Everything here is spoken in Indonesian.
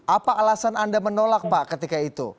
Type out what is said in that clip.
apa alasan anda menolak pak ketika itu